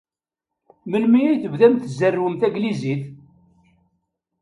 Melmi ay tebdam tzerrwem tanglizit?